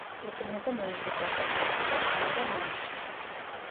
იყინება ნოემბრის დასაწყისში, ყინულძვრა მაისშია.